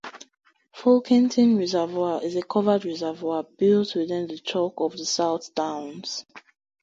Folkington Reservoir is a covered reservoir built within the chalk of the south downs.